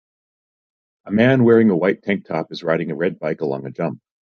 A man wearing a white tank top is riding a red bike along a jump.